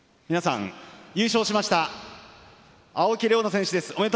優勝しました青木玲緒樹選手です。